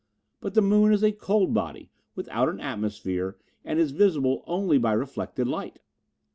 But the moon is a cold body without an atmosphere and is visible only by reflected light.